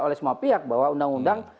oleh semua pihak bahwa undang undang